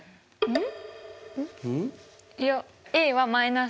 ん？